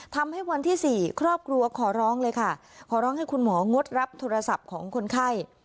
ทำให้วันที่สี่ครอบครัวขอร้องเลยค่ะขอร้องให้คุณหมองดรับโทรศัพท์ของคนไข้